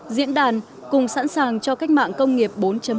diễn đàn cùng sẵn sàng cho cách mạng công nghiệp bốn